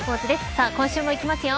さあ今週もいきますよ。